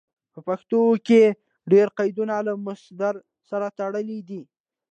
په پښتو کې ډېر قیدونه له مصدر سره تړلي دي.